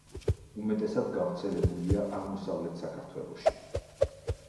უმეტესად გავრცელებულია აღმოსავლეთ საქართველოში.